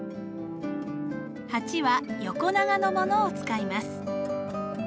鉢は横長のものを使います。